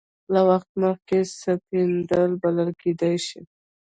له وخت مخکې سپینېدل بلل کېدای شي.